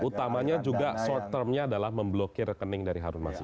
utamanya juga short termnya adalah memblokir rekening dari harun masiku